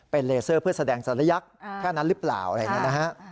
เป็นเลเซอร์เพื่อแสดงศัลยักษ์แค่นั้นหรือเปล่าอะไรอย่างนี้นะฮะ